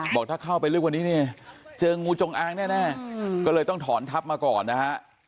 บอกถ้าเข้าไปลึกกว่านี้เนี่ยเจองูจงอางแน่ก็เลยต้องถอนทับมาก่อนนะฮะ